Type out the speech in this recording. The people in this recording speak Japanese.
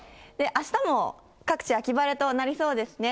あしたも各地、秋晴れとなりそうですね。